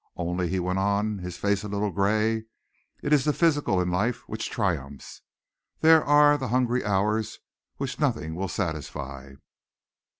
Only," he went on, his face a little grey, "it is the physical in life which triumphs. There are the hungry hours which nothing will satisfy."